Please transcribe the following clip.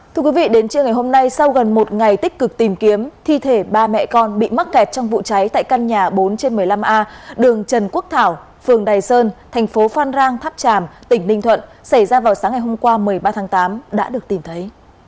thưa quý vị đến trưa ngày hôm nay sau gần một ngày tích cực tìm kiếm thi thể ba mẹ con bị mắc kẹt trong vụ cháy tại căn nhà bốn trên một mươi năm a đường trần quốc thảo phường đài sơn thành phố phan rang tháp tràm tỉnh ninh thuận xảy ra vào sáng ngày hôm qua một mươi ba tháng tám đã được tìm thấy